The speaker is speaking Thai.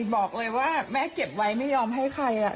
บอกเลยว่าแม่เก็บไว้ไม่ยอมให้ใคร